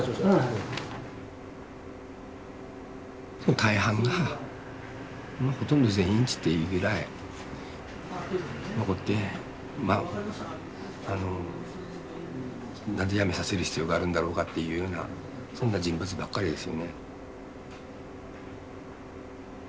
大半がほとんど全員って言っていいぐらい何で辞めさせる必要があるんだろうかっていうようなそんな人物ばっかりですよね。